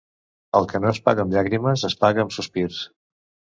El que no es paga amb llàgrimes es paga amb sospirs.